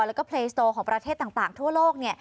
แล้วก็เพลสโตของประเทศต่างทั่วโลก